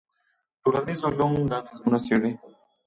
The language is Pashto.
ټولنیز علوم دا نظمونه څېړي.